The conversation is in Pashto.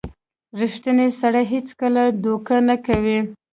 • ریښتینی سړی هیڅکله دوکه نه کوي.